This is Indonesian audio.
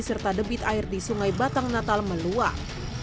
serta debit air di sungai batang natal meluap